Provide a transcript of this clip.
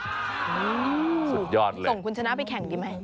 สุดยอดส่งคุณชนะไปแข่งดีไหม